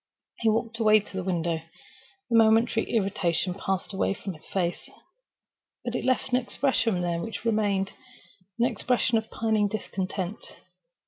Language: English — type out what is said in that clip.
He walked away to the window. The momentary irritation passed away from his face; but it left an expression there which remained—an expression of pining discontent.